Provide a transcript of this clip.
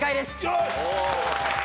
よし！